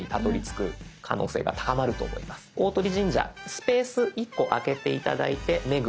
スペース１個空けて頂いて「目黒」